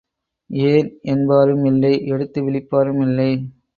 ஏன் என்பாரும் இல்லை எடுத்து விழிப்பாரும் இல்லை.